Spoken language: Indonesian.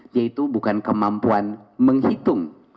yaitu bukan kemampuan menghitung